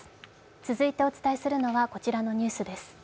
続いてお伝えするのはこちらのニュースです。